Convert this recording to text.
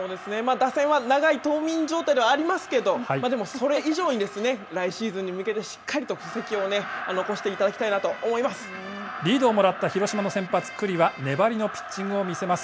打線は長い冬眠状態ではありますけど、でもそれ以上に来シーズンに向けて、しっかりと布石をリードをもらった広島の先発、九里は、粘りのピッチングを見せます。